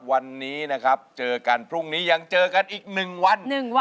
วันนี้นะครับเจอกันพรุ่งนี้ยังเจอกันอีก๑วัน